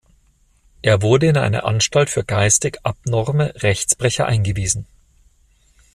Er wurde in eine Anstalt für geistig abnorme Rechtsbrecher eingewiesen.